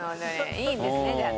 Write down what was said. いいんですねじゃあね。